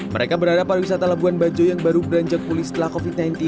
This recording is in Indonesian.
mereka berharap pariwisata labuan bajo yang baru beranjak pulih setelah covid sembilan belas